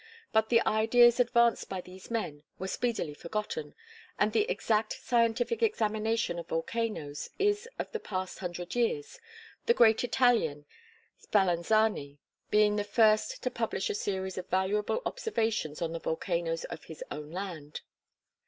But the ideas advanced by these men were speedily forgotten; and the exact scientific examination of volcanoes is of the past hundred years, the great Italian, Spallanzani, being the first to publish a series of valuable observations on the volcanoes of his own land.